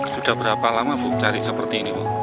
sudah berapa lama bu cari seperti ini bu